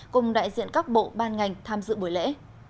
cùng đại diện các bộ ban ngành tham dự buổi lễ